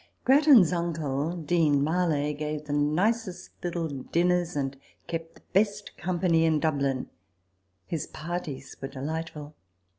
f Grattan'suncle, Dean Marlay, gave the nicest little dinners and kept the best company in Dublin ; his parties were delightful.